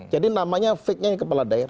jadi namanya fake nya kepala daerah